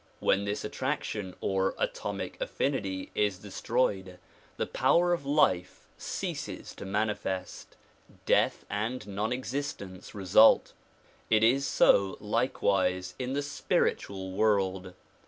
When this attraction or atomic affinity is destroyed, the power of life ceases to manifest ; death and non existence result. It is so likewise in the spiritual world.